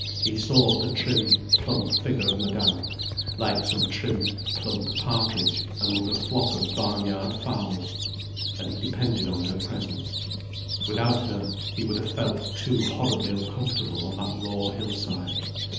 He saw the trim, plump figure of Madame, like some trim plump partridge among a flock of barn yard fowls. And he depended on her presence. Without her, he would have felt too horribly uncomfortable on that raw hillside.